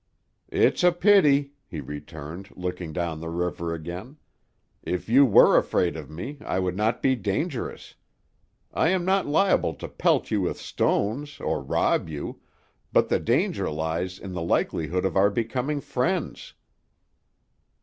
"It's a pity," he returned, looking down the river again. "If you were afraid of me, I would not be dangerous. I am not liable to pelt you with stones, or rob you; but the danger lies in the likelihood of our becoming friends."